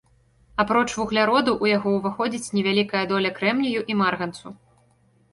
Апроч вугляроду ў яго ўваходзяць невялікая доля крэмнію і марганцу.